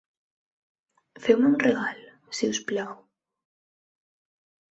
Feu-me un regal, si us plau.